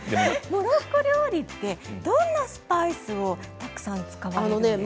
モロッコ料理ってどんなスパイスをたくさん使われるんですか？